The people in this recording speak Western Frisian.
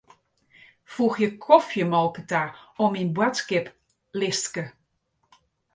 Foegje kofjemolke ta oan myn boadskiplistke.